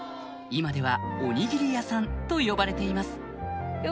今では「おにぎり屋さん」と呼ばれています